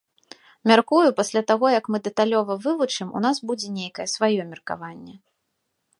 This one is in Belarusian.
Мяркую, пасля таго як мы дэталёва вывучым, у нас будзе нейкае сваё меркаванне.